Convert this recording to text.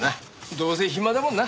どうせ暇だもんな。